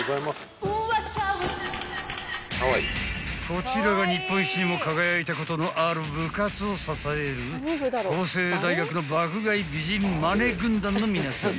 ［こちらが日本一にも輝いたことのある部活を支える法政大学の爆買い美人マネ軍団の皆さま］